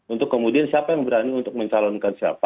untuk kemudian siapa yang berani untuk mencalonkan siapa